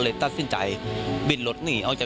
รถแสงทางหน้า